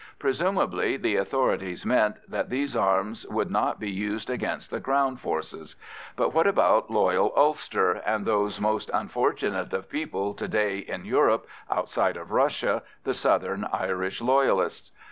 Presumably the authorities meant that these arms would not be used against the Crown forces; but what about loyal Ulster, and those most unfortunate of people to day in Europe, outside of Russia, the southern Irish Loyalists?